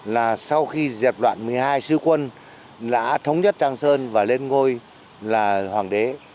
là sau khi dẹp đoạn một mươi hai sư quân đã thống nhất trang sơn và lên ngôi là hoàng đế